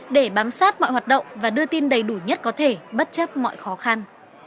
để bám sát mọi hoạt động và đưa tin đầy đủ nhất có thể bất chấp mọi khó khăn